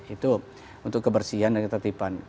itu untuk kebersihan dan ketertiban